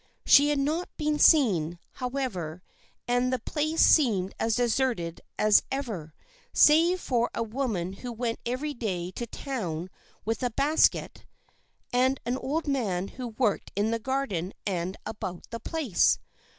She had not been seen, however ; and the place seemed as deserted as ever, save for a woman who went every day to the town with a basket, and an old man who worked in the garden and about the place.